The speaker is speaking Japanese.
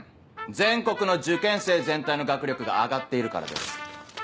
全国の受験生全体の学力が上がっているからです。